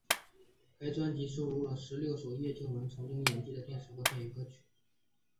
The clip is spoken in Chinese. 该专辑收录了十六首叶蒨文曾经演绎的电视剧或电影歌曲。